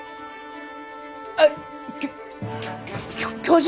あきょきょ教授！